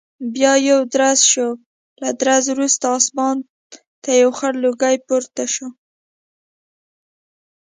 بیا یو درز شو، له درزه وروسته اسمان ته یو خړ لوګی پورته شو.